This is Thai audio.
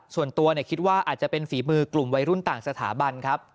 ส่วนตัวคิดว่าอาจจะเป็นฝีมือกลุ่มวัยรุ่นต่างสถาบันครับ